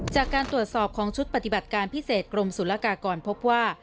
จากการตรวจสอบของชุดปฏิบัติการพิเศษกรมศุลกากรพบว่า